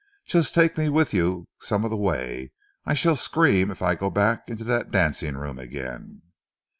Just take me with you some of the way. I shall scream if I go back into that dancing room again."